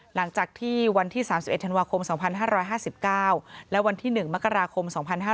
หลังจากที่วันที่๓๑ธันวาคม๒๕๕๙และวันที่๑มกราคม๒๕๕๙